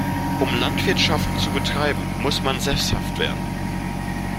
Um Landwirtschaft zu betreiben, muss man sesshaft werden.